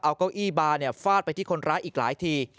เอาเก้าอี้บาร์ฟาดไปที่คนร้ายอีกหลายที